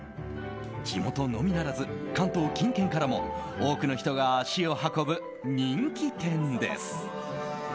地元のみならず関東近県からも多くの人が足を運ぶ人気店です。